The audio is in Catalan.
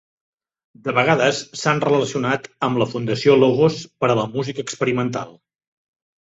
De vegades s'han relacionat amb la Fundació Logos per a la música experimental.